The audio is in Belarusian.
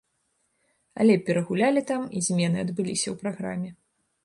Але перагулялі там і змены адбыліся ў праграме.